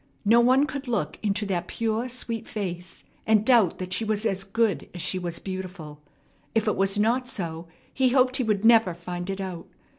No one could look into that pure, sweet face, and doubt that she was as good as she was beautiful. If it was not so, he hoped he would never find it out.